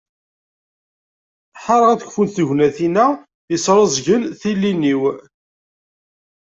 Ḥareɣ ad kfunt tegnatin-a yesrezgen tilin-iw.